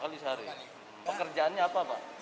kali sehari pekerjaannya apa pak